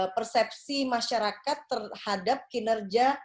persepsi masyarakat terhadap kinerja